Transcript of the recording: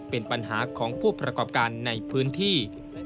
เป็นปัญหาของผู้ประกอบการในพื้นที่